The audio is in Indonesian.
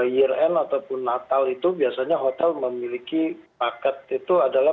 year end ataupun natal itu biasanya hotel memiliki paket itu adalah